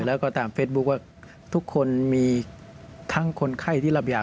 แล้วก็ตามเฟซบุ๊คว่าทุกคนมีทั้งคนไข้ที่รับยา